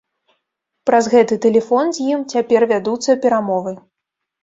Праз гэты тэлефон з ім цяпер вядуцца перамовы.